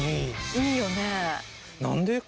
いいよね。